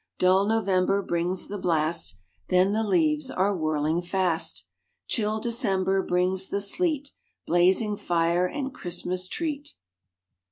Dull November brings the blast, Then the leaves are whirling fast. Chill December brings the sleet, Blazing fire and Christmas treat.